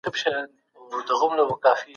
پلار مي وویل چي پښتو ستا د پلار او نیکه میراث دی.